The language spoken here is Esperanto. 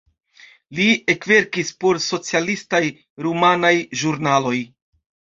Li ekverkis por socialistaj rumanaj ĵurnaloj.